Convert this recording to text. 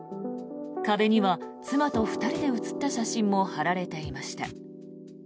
壁には妻と２人で写った写真も貼られていました。